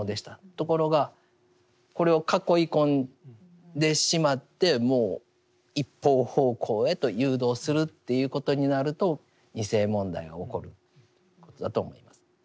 ところがこれを囲い込んでしまってもう一方方向へと誘導するということになると２世問題が起こることだと思います。